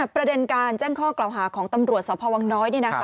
ประเด็นการแจ้งข้อกล่าวหาของตำรวจสพวังน้อย